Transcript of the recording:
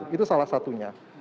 itu salah satunya